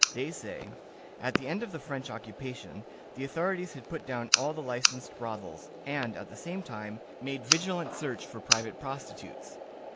They say, "At the end of the French occupation, the authorities had put down all the licensed brothels, and, at the same time, made vigilant search for private prostitutes.